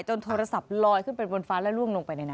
โทรศัพท์ลอยขึ้นไปบนฟ้าและล่วงลงไปในน้ำ